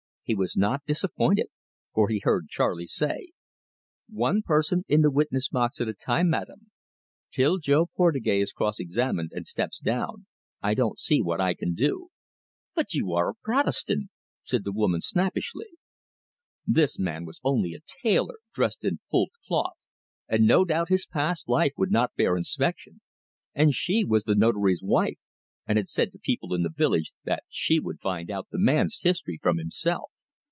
He was not disappointed, for he heard Charley say: "One person in the witness box at a time, Madame. Till Jo Portugais is cross examined and steps down, I don't see what I can do!" "But you are a Protestant!" said the woman snappishly. This man was only a tailor, dressed in fulled cloth, and no doubt his past life would not bear inspection; and she was the Notary's wife, and had said to people in the village that she would find out the man's history from himself.